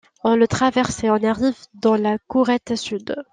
On le traverse et on arrive dans la courette sud.